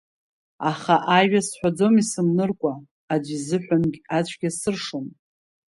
Аха ажәа сҳәаӡом исымныркуа, аӡәы изыҳәангь ацәгьа сыршом.